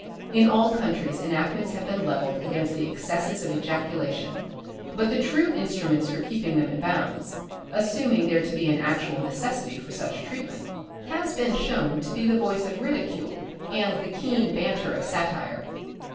In all countries enactments have been levelled against the excesses of ejaculation, but the true instruments for keeping them in bounds, assuming there to be an actual necessity for such treatment, has been shown to be the voice of ridicule and the keen banter of satire.